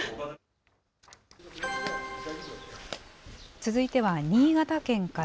続いては新潟県から。